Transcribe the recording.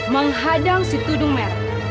menghadang si tudung mer